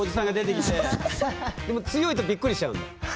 でも強いとびっくりしちゃうんだ。